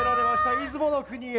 出雲の国へ。